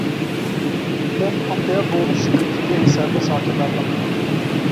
Tom hefteya borî ji girtîgehê serbest hate berdan.